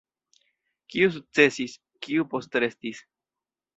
Kiu sukcesis, kiu postrestis?